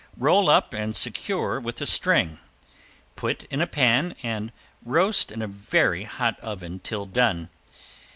Roll up and secure with a string, put in a pan and roast in a very hot oven till done.